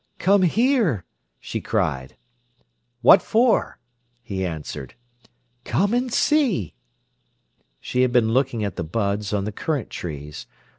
"Come here!" she cried. "What for?" he answered. "Come and see." She had been looking at the buds on the currant trees.